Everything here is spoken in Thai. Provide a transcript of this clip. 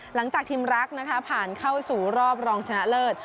หลังจากทีมรักนะคะผ่านเข้าสู่รอบรองชนะเลิศ